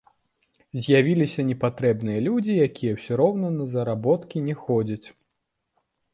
З'явіліся непатрэбныя людзі, якія ўсё роўна на заработкі не ходзяць.